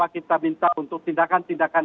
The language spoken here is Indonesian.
kita minta untuk tindakan tindakan